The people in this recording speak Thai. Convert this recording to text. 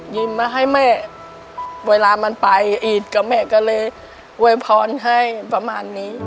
ยิ้มมาให้แม่เวลามันไปอีดกับแม่ก็เลยอวยพรให้ประมาณนี้